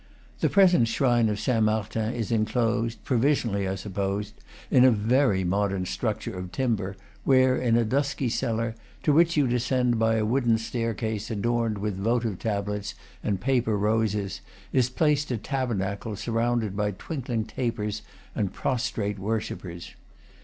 The present shrine of Saint Martin is enclosed (provisionally, I suppose) in a very modem structure of timber, where in a dusky cellar, to which you descend by a wooden staircase adorned with votive tablets and paper roses, is placed a tabernacle surrounded by twinkling tapers and pros trate worshippers.